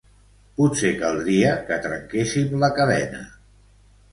Potser caldria que trenquéssem la cadena.